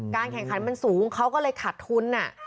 แข่งขันมันสูงเขาก็เลยขาดทุน